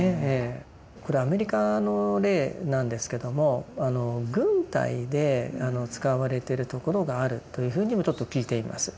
これアメリカの例なんですけども軍隊で使われてるところがあるというふうにもちょっと聞いています。